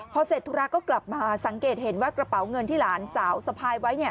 พอเสร็จธุระก็กลับมาสังเกตเห็นว่ากระเป๋าเงินที่หลานสาวสะพายไว้